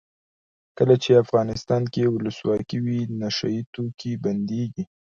کله چې افغانستان کې ولسواکي وي نشه یي توکي بندیږي.